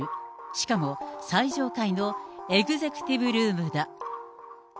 しかも最上階のエグゼクティブルームだ。